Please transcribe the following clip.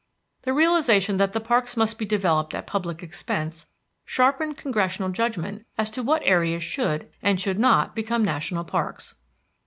The realization that the parks must be developed at public expense sharpened Congressional judgment as to what areas should and should not become national parks.